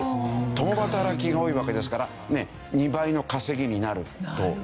共働きが多いわけですから２倍の稼ぎになるという事ですよね。